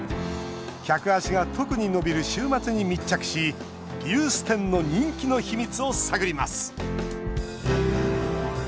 客足が特に伸びる週末に密着しリユース店の人気の秘密を探ります。